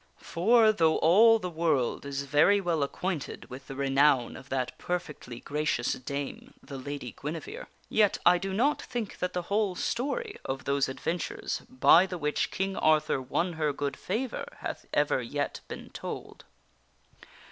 For, though all the world is very well acquainted with the renown of that perfectly gracious dame, the Lady Guinevere, yet I do not think that the whole story of those adventures by the which King Arthur won her good favor hath ever yet been told.